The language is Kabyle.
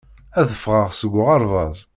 Ad ffɣeɣ seg uɣerbaz.